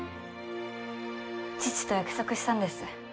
父と約束したんです。